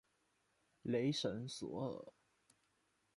雷神索尔。